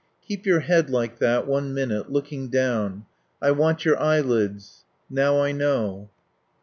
"Keep your head like that one minute looking down. I want your eyelids.... Now I know."